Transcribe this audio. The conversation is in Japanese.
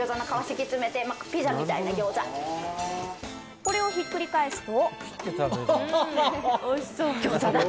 これをひっくり返すと。